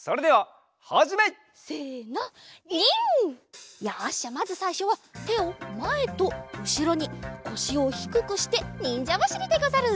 じゃまずさいしょはてをまえとうしろにこしをひくくしてにんじゃばしりでござる！